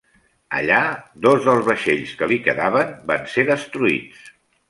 Allà, dos dels vaixells que li quedaven van ser destruïts.